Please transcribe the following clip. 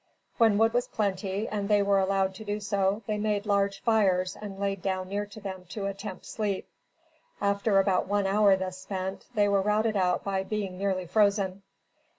When wood was plenty, and they were allowed so to do, they made large fires and laid down near to them to attempt sleep. After about one hour thus spent, they were routed out by being nearly frozen.